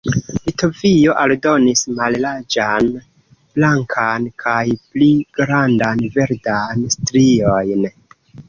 Litovio aldonis mallarĝan blankan kaj pli grandan verdan striojn.